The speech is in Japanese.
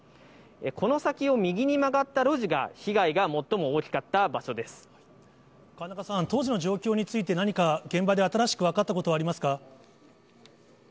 この先を右に曲がった路地が、河中さん、当時の状況について、何か現場で新しく分かったことはありますか？